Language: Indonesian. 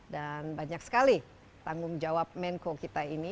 dan banyak sekali tanggung jawab menko perekonomian